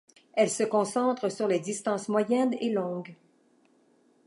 Elle se concentre sur les distances moyennes et longues.